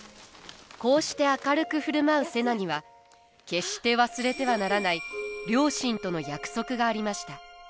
こうして明るく振る舞う瀬名には決して忘れてはならない両親との約束がありました。